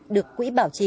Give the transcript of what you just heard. được quỹ bảo trì